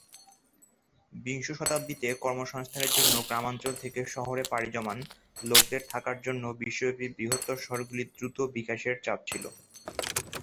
বিংশ শতাব্দীতে, কর্মসংস্থানের জন্য গ্রামাঞ্চল থেকে শহরে পাড়ি জমান লোকদের থাকার জন্য বিশ্বব্যাপী বৃহত্তর শহরগুলি দ্রুত বিকাশের চাপ ছিল।